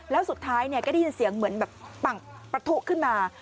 แล้วสุดท้ายก็ได้ยินเสียงเหมือนแบบปังประทุขึ้นมา